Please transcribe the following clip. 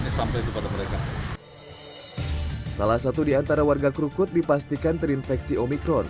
sampai kepada mereka salah satu diantara warga krukut dipastikan terinfeksi omikron